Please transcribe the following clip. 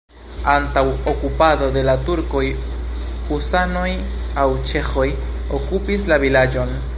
Antaŭ okupado de la turkoj husanoj aŭ ĉeĥoj okupis la vilaĝon.